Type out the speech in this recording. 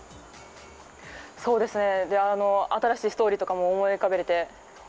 新しいストーリーとかも思い浮かべれて。